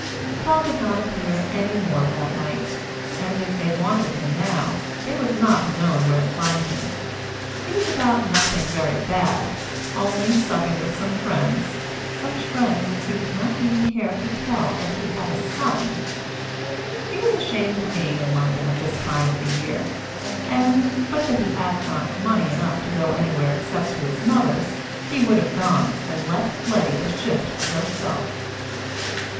Tom did not appear any more that night; and, if they had wanted him now, they would not have known where to find him. He was about nothing very bad only supping with some friends such friends as he did not even care to tell that he had a son. He was ashamed of being in London at this time of the year, and, but that he had not money enough to go anywhere except to his mother's, he would have gone, and left Letty to shift for herself.